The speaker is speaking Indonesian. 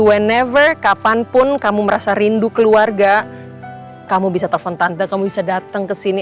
we never kapanpun kamu merasa rindu keluarga kamu bisa telepon tanda kamu bisa datang ke sini